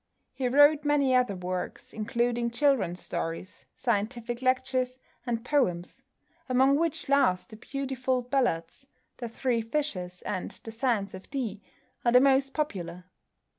He wrote many other works, including children's stories, scientific lectures, and poems, among which last the beautiful ballads, "The Three Fishers" and "The Sands of Dee," are the most popular.